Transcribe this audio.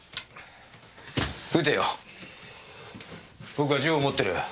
僕は銃を持ってる。